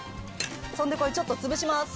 そんでこれちょっと潰します。